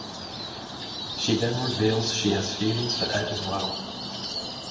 She then reveals she has feelings for Ed as well.